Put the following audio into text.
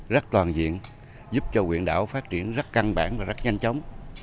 rất toàn diện giúp cho quyền đảo phát triển rất căng bản và rất nhanh chóng